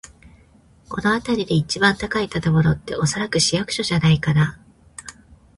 この辺りで一番高い建物って、おそらく市役所じゃないかな。